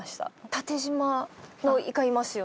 縦じまのイカいますよね。